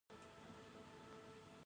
علم خلک و پرمختللو ټولنو ته نژدي کوي.